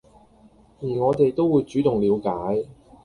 而我哋都會主動了解